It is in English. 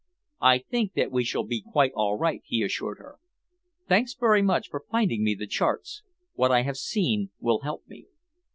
"I think that we shall be quite all right," he assured her. "Thanks very much for finding me the charts. What I have seen will help me."